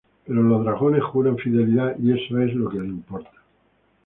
Pero los dragones juran fidelidad y eso es lo que le importa.